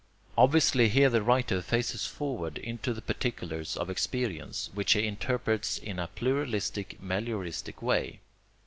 Obviously here the writer faces forward into the particulars of experience, which he interprets in a pluralistic melioristic way.